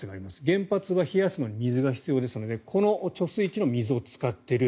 原発は冷やすのに水が必要ですのでこの貯水池の水を使っている。